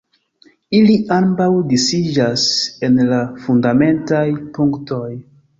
Ili ambaŭ disiĝas en la fundamentaj punktoj.